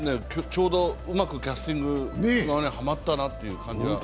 ちょうどうまくキャスティングがハマったなという感じが。